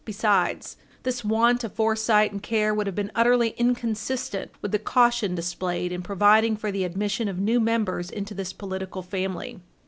Besides, this want of foresight and care would have been utterly inconsistent with the caution displayed in providing for the admission of new members into this political family.